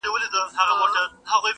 نړیوال راپورونه پرې زياتيږي,